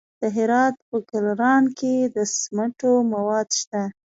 د هرات په ګلران کې د سمنټو مواد شته.